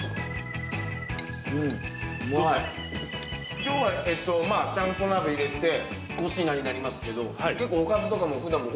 今日はちゃんこ鍋入れて５品になりますけど結構おかずとかも普段も多いんすか？